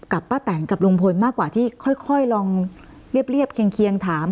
ป้าแตนกับลุงพลมากกว่าที่ค่อยลองเรียบเคียงถาม